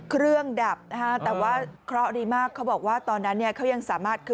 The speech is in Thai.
เครื่องดับแต่ว่าเค้าดีมากเค้าบอกว่าตอนนั้นเค้ายังสามารถ